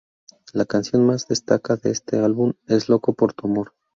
La canción más destacada de este álbum es "Loco por tu amor".